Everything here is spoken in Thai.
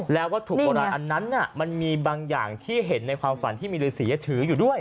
แล้ววัตถุโบราณอันนั้นมันมีบางอย่างที่เห็นในความฝันที่มีฤษีถืออยู่ด้วย